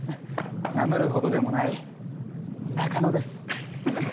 名乗るほどでもない中野です。